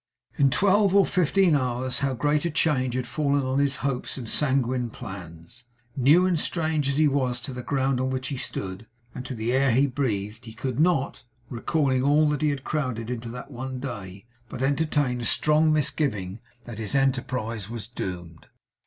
In twelve or fifteen hours, how great a change had fallen on his hopes and sanguine plans! New and strange as he was to the ground on which he stood, and to the air he breathed, he could not recalling all that he had crowded into that one day but entertain a strong misgiving that his enterprise was doomed.